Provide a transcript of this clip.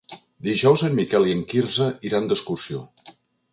Dijous en Miquel i en Quirze iran d'excursió.